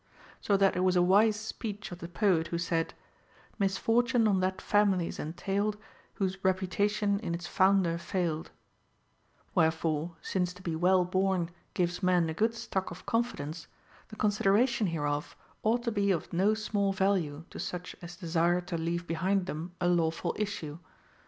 So that it was a wise speech of the poet who said, — Misfortune on that family's entailed, Whose reputation in its founder failed* Wherefore, since to be well born gives men a good stock of confidence, the consideration hereof ought to be of no small value to such as desire to leave behind them a law ful issue.